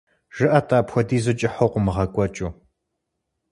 ЖыӀэ-тӀэ, апхуэдизу кӀыхьу къыумыгъэкӀуэкӀыу.